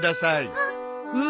あっ。